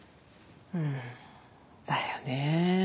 うんだよねえ。